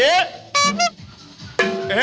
เย้